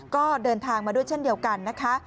ก็เดินทางมาด้วยเช่นเดียวกันนะคะ